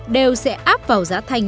đều sẽ áp vào giá thành